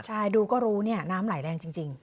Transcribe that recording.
ใช่ดูก็รู้น้ำไหลแรงจริง